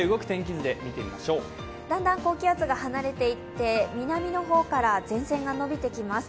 だんだん高気圧が離れていって南の方から前線が延びてきます。